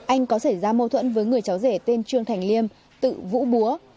anh có xảy ra mâu thuẫn với người cháu rể tên trương thành liêm tự vũ búa